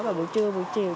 vào buổi trưa buổi chiều